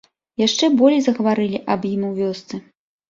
Яшчэ болей загаварылі аб ім у вёсцы.